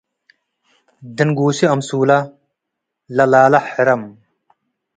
ድንጉሲ አምሱለ ለ- ላለ ሕረም